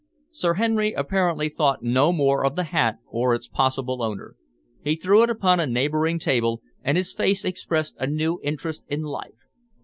Sir Henry apparently thought no more of the hat or its possible owner. He threw it upon a neighbouring table, and his face expressed a new interest in life.